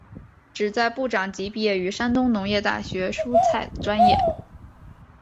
旨在部长级毕业于山东农业大学蔬菜专业。